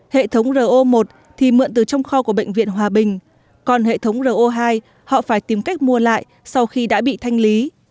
hệ thống ro một thì mượn từ trong kho của bệnh viện hòa bình còn hệ thống ro hai họ phải tìm cách mua lại sau khi đã bị thanh lý